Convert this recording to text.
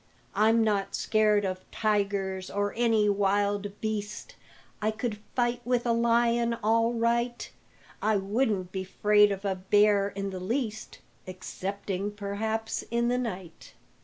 I'm not scared of tigers or any wild beast, I could fight with a lion all right, I wouldn't be 'fraid of a bear in the least Excepting, perhaps, in the night.